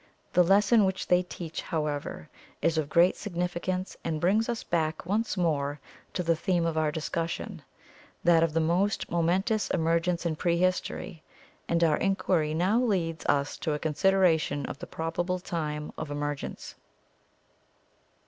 The lesson which they teach, however, is of great significance and brings us back once more to the theme of our discussion — that of the most momentous emer gence in prehistory; and our inquiry now leads us to a consideration of the probable time of emergence.